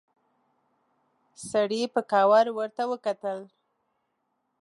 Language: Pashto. سړي په کاوړ ورته وکتل.